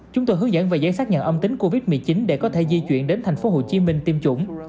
chúng tôi hướng dẫn và giấy xác nhận âm tính covid một mươi chín để có thể di chuyển đến tp hcm tiêm chủng